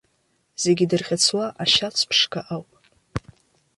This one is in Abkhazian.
Зегьы идырҟьыцуа ашьац ԥшқа ауп.